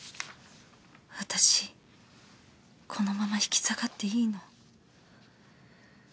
私このまま引き下がっていいの？